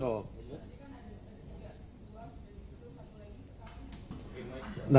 di satu lagi perkara